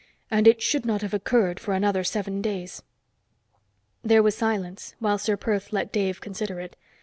And it should not have occurred for another seven days." There was silence, while Ser Perth let Dave consider it.